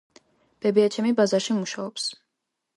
ბებიაჩემი ბაზარში მუშაობს